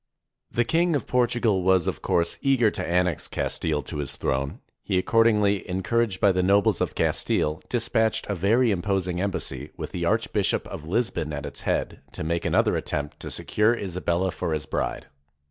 The King of Portugal was, of course, eager to annex Castfle to his throne. He accordingly, encouraged by the nobles of Castile, dispatched a very imposing em bassy, with the Archbishop of Lisbon at its head, to make another attempt to secure Isabella for his bride.